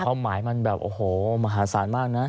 ความหมายมันแบบโอ้โหมหาศาลมากนะ